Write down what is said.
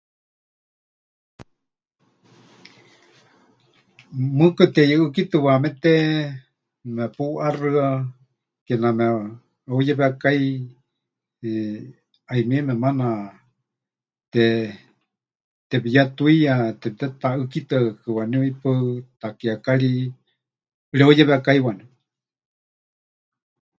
Mɨɨkɨ teyuʼɨ́kitɨwaamete mepuʼaxɨa, kename heuyewekái, eh, 'ayumieme maana tepɨyetuiya, temɨtetaʼɨ́kitɨakakɨ waníu ʼipaɨ, takiekari pɨreuyewekái waníu.